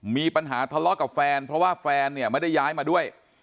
มีปัญหาทะเลาะกับแฟนเพราะว่าแฟนเนี่ยไม่ได้ย้ายมาด้วย